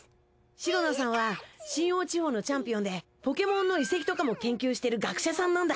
シロナさんはシンオウ地方のチャンピオンでポケモンの遺跡とかも研究してる学者さんなんだ。